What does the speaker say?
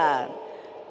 pertanyaan kita semua